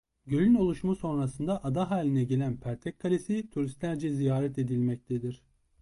Gölün oluşumu sonrasında ada hâline gelen Pertek Kalesi turistlerce ziyaret edilmektedir.